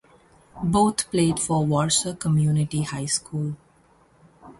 Both played for Warsaw Community High School.